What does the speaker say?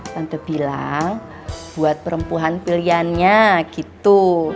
tante bilang buat perempuan pilihannya gitu